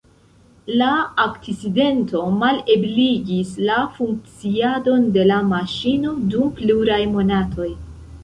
La akcidento malebligis la funkciadon de la maŝino dum pluraj monatoj.